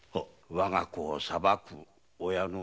我が子を裁く親の気持ち。